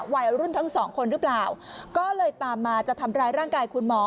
วัยรุ่นทั้งสองคนหรือเปล่าก็เลยตามมาจะทำร้ายร่างกายคุณหมอ